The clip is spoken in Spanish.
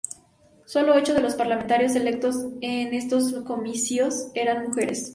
Solo ocho de los parlamentarios electos en estos comicios eran mujeres.